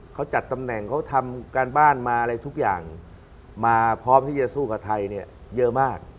เขาจัดตำแหน่งเขาทำการบ้านมาอะไรทุกอย่างมาพร้อมที่จะสู้กับไทยเนี่ยเยอะมาก